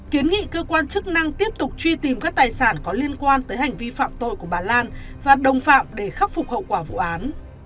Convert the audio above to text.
kiến nghị cơ quan chức năng tiếp tục truy tìm các tài sản có liên quan tới hành vi phạm tội của bà lan và đồng phạm để khắc phục hậu quả vụ án